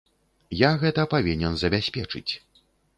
Я гэта павінен забяспечыць.